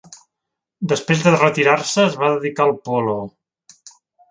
Després de retirar-se, es va dedicar al polo.